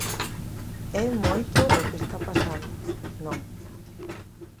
É moito o que está pasando, non.